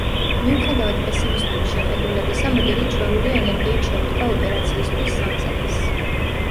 მიუხედავად პესიმისტური შეხედულებისა, მოდელი ჩვეული ენერგიით შეუდგა ოპერაციისთვის სამზადისს.